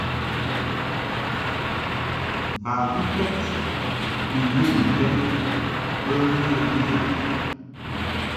Bawuked ni nyɨŋ bɛn bə miya miya.